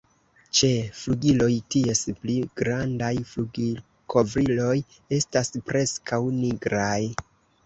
Ĉe flugiloj, ties pli grandaj flugilkovriloj estas preskaŭ nigraj.